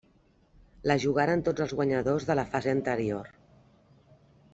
La jugaren tots els guanyadors de la fase anterior.